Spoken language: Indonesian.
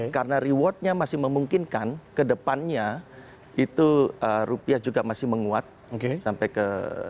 karena reward nya masih memungkinkan kedepannya itu rupiah juga masih menguat sampai ke tiga belas